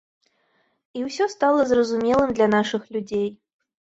І ўсё стала зразумелым для нашых людзей.